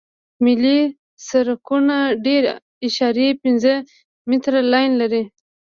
ملي سرکونه درې اعشاریه پنځه متره لاین لري